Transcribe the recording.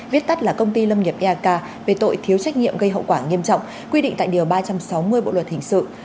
viết tắt là công ty lâm nghiệp eak về tội thiếu trách nhiệm gây hậu quả nghiêm trọng quy định tại điều ba trăm sáu mươi bộ luật hình sự